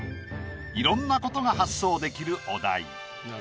いろんなことが発想できるお題。